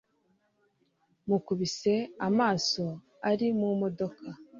mukubise amaso ari mu modoka